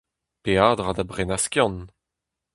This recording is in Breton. Peadra da brenañ skiant.